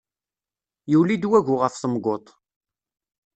Yuli-d wagu ɣef temguḍt.